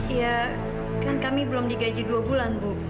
iya kan kami belum digaji dua bulan bu